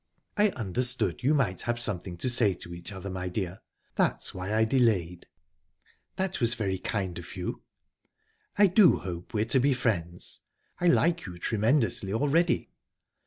"I understood you might have something to say to each other, my dear; that's why I delayed." "That was very kind of you." "I do hope we're to be friends. I like you tremendously already."